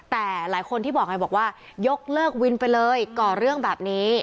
แต่หลายคนที่บอกไงบอกว่ายกเลิกวินไปเลยก่อเรื่องแบบนี้